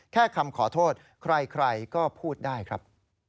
คำขอโทษใครก็พูดได้ครับ